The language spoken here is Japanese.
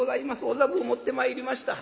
おざぶを持ってまいりました」。